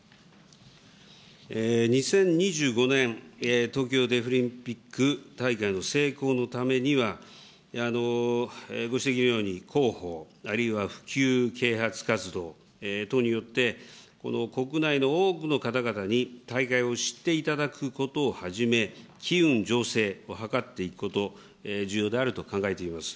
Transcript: ２０２５年、東京デフリンピック大会の成功のためには、ご指摘のように広報、あるいは普及啓発活動等によって、国内の多くの方々に大会を知っていただくことをはじめ、機運醸成を図っていくこと、重要であると考えています。